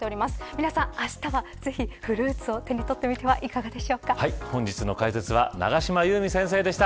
皆さん、あしたは、ぜひフルーツを手に取ってみては本日の解説は永島優美先生でした。